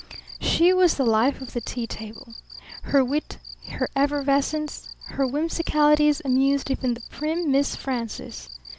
She was the life of the tea table. Her wit, her effervescence, her whimsicalities amused even the prim Miss Frances.